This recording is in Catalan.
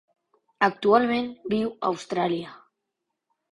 Actualment viu a Austràlia.